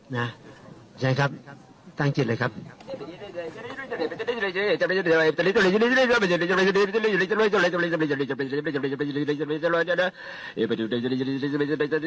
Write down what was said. นะใช่ครับตั้งจิตเลยครับ